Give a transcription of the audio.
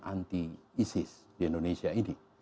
anti isis di indonesia ini